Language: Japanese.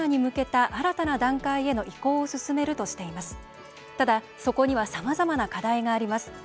ただ、そこにはさまざまな課題があります。